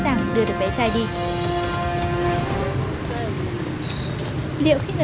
không chị đi vệ sinh